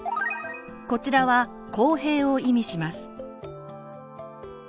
こちらは「公平」を意味します。